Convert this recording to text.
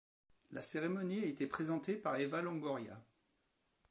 La cérémonie a été présentée par Eva Longoria.